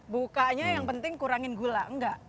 bukanya yang penting kurangin gula enggak